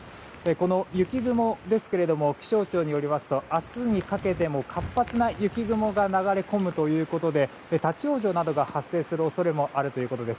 この雪雲ですが気象庁によりますと明日にかけても活発な雪雲が流れ込むということで立ち往生などが発生する恐れもあるということです。